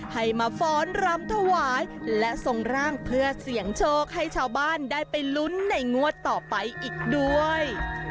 ให้มาฟ้อนรำถวายและทรงร่างเพื่อเสี่ยงโชคให้ชาวบ้านได้ไปลุ้นในงวดต่อไปอีกด้วย